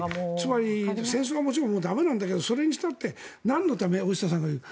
つまり戦争がもちろん駄目なんだけどそれにしたって、なんのため大下さんが言う。